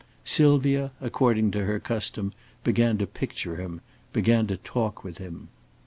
Sylvia, according to her custom, began to picture him, began to talk with him.